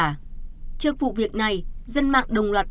trước vụ việc này dân mạng đồng loạt bệnh